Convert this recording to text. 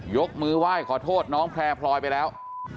ยกมือไหว้ขอโทษน้องแพร่พลอยไปแล้ว